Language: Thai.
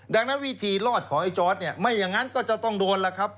ดังนั้นวิธีรอดของไอ้จอร์ดเนี่ยไม่อย่างนั้นก็จะต้องโดนแล้วครับ